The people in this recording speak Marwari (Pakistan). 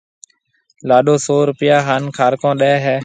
لاڏو سئو روپيا ھان کارڪون ڏَي ھيََََ